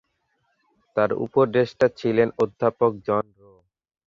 তার উপদেষ্টা ছিলেন অধ্যাপক জন রো।